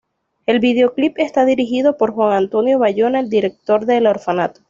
El videoclip está dirigido por Juan Antonio Bayona, el director de El orfanato.